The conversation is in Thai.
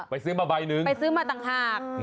ซื้อมาใบหนึ่งไปซื้อมาต่างหาก